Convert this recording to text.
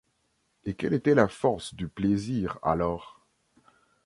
Et quelle était la force du plaisir, alors !